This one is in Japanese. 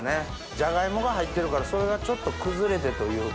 ジャガイモが入ってるからそれがちょっと崩れてというか。